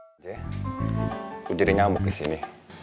aku jadi nyamuk disini